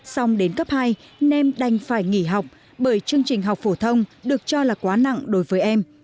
xong đến cấp hai nên đành phải nghỉ học bởi chương trình học phổ thông được cho là quá nặng đối với em